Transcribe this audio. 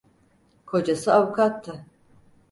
Kocası avukattı.